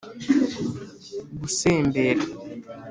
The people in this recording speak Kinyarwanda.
gusembera